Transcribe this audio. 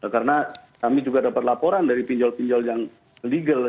karena kami juga dapat laporan dari pinjol pinjol yang legal